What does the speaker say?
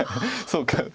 そうか。